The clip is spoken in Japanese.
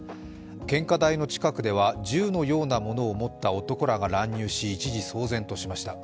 献花台の近くでは銃のようなものを持った男らが乱入し、一時騒然としました。